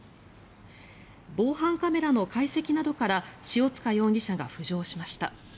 防犯カメラの解析などから塩塚容疑者が浮上しました。